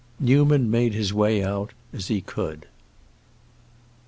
Newman made his way out as he could.